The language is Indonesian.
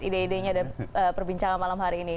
ide idenya dan perbincangan malam hari ini